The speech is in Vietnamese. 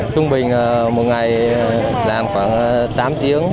trung bình một ngày làm khoảng tám tiếng